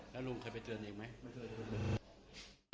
บอกพี่เบาหน่อยผมนอน